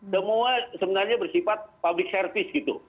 semua sebenarnya bersifat public service gitu